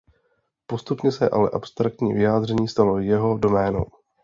Postupně se ale abstraktní vyjádření stalo jeho doménou.